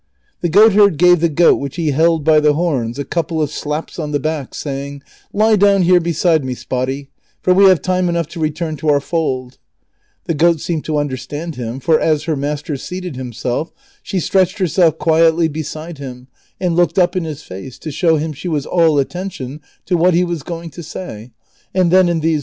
The goatherd gave the goat which he held by the horns a couple of slaps on the back, saying, " Lie down here beside me, Spotty, for we have time enough to return to our fold." The goat seemed to understand him, for as her master seated himself, she stretched herself quietly beside him and looked ' Tlie phrase used only by a player who wishes to withdraw from a game.